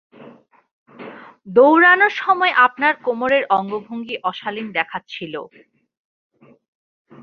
দৌঁড়ানোর সময় আপনার কোমরের অঙ্গভঙ্গি অশালীন দেখাচ্ছিল।